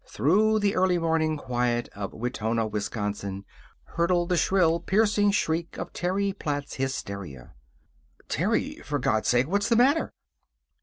Through the early morning quiet of Wetona, Wisconsin, hurtled the shrill, piercing shriek of Terry Platt's hysteria. "Terry! For God's sake! What's the matter!"